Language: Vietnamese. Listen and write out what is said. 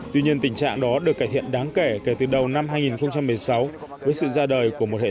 tuy nhiên tình trạng đó được cải thiện đáng kể kể từ đầu năm hai nghìn một mươi sáu với sự ra đời của một hệ thống